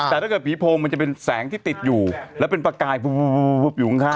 แต่ถ้าเกิดผีโพงมันจะเป็นแสงที่ติดอยู่แล้วเป็นประกายปุ๊บปุ๊บปุ๊บอยู่ข้างข้าง